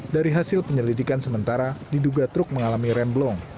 dari hasil penyelidikan sementara diduga truk mengalami remblong